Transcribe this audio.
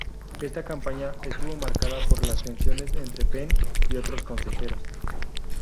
Esta campaña estuvo marcada por las tensiones entre Penn y otros consejeros.